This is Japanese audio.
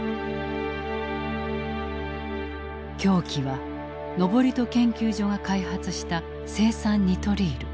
凶器は登戸研究所が開発した青酸ニトリール。